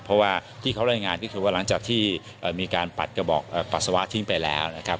เพราะว่าที่เขารายงานก็คือว่าหลังจากที่มีการปัดกระบอกปัสสาวะทิ้งไปแล้วนะครับ